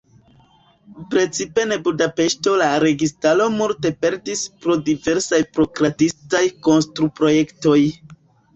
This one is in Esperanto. Precipe en Budapeŝto la registaro multe perdis pro diversaj prokrastitaj konstru-projektoj.